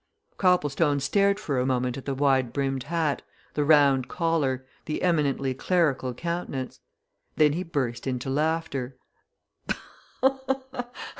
Copplestone stared for a moment at the wide brimmed hat, the round collar, the eminently clerical countenance. Then he burst into laughter.